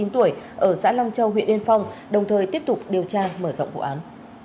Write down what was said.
ba mươi tuổi ở xã long châu huyện yên phong đồng thời tiếp tục điều tra mở rộng vụ án